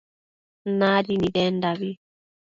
Nadi nidendabi